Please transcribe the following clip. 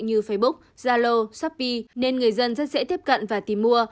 như facebook zalo shopee nên người dân rất dễ tiếp cận và tìm mua